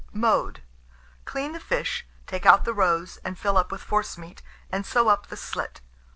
Mode. Clean the fish, take out the roes, and fill up with forcemeat, and sew up the slit.